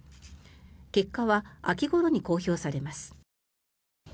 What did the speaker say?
結果は秋ごろに公表されます。